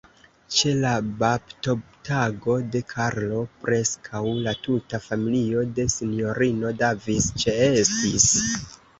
Ĉe la baptotago de Karlo, preskaŭ la tuta familio de Sinjorino Davis ĉeestis.